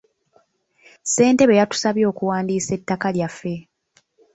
Ssentebe yatusabye okuwandiisa ettaka lyaffe.